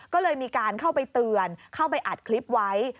ก็เลยมีการเข้าไปเตือนเข้าไปอัดคลิปไว้